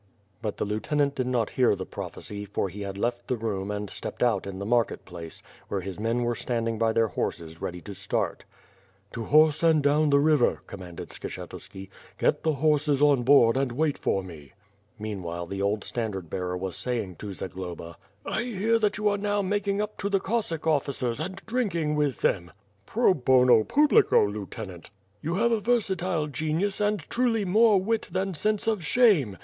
But the lieutenant did not hear the prophecy, for he had left the room and stepped out in the market place, where his men were standing by their horses ready to start. "To horse and down the river," commanded Skshetuski. "G^t the horses on board and wait for me!" Meanwhile the old standard bearer was saying to Zagloba: "I hear that you are now making up to the Cossack officers and drinking with them." "Pro bono publico, Lieutenant." "You have a versatile genius, and truly more wit than sense of shame.